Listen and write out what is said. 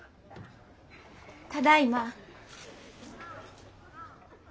ただいま。